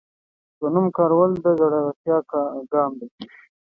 د نوم کارول د زړورتیا ګام و.